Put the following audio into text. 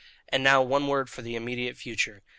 "And now one word for the immediate future.